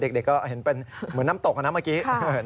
เด็กก็เห็นเป็นเหมือนน้ำตกนะเมื่อกี้